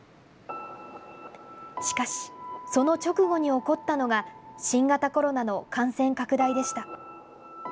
しかし、その直後に起こったのが、新型コロナの感染拡大でした。